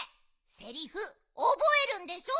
セリフおぼえるんでしょ。